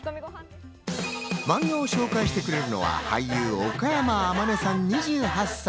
マンガを紹介してくれるのは俳優・岡山天音さん、２８歳。